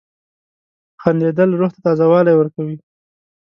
• خندېدل روح ته تازه والی ورکوي.